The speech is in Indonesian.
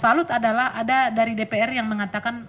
salut adalah ada dari dpr yang mengatakan